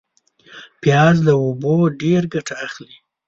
پیاز له اوبو ډېر ګټه اخلي